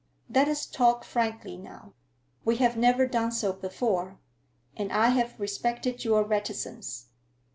Let us talk frankly now. We have never done so before, and I have respected your reticence.